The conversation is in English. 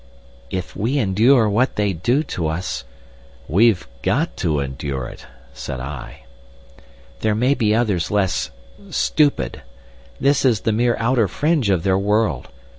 "If we endure what they do to us—" "We've got to endure it," said I. "There may be others less stupid. This is the mere outer fringe of their world.